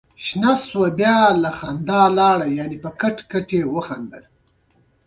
هغه د هندوستان پاچا باله.